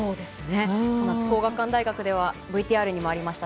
皇學館大学ではＶＴＲにもありました